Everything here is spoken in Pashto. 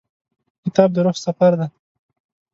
کتاب د روح سفر دی.